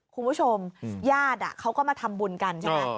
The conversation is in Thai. คุณผู้ชมญาติเขาก็มาทำบุญกันใช่ไหม